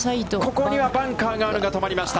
ここにはバンカーがあるが、止まりました。